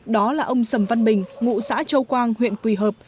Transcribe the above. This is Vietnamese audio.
đó là ông sầm văn bình ngụ xã châu quang huyện quỳ hợp